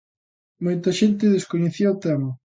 Moita xente descoñecía o tema.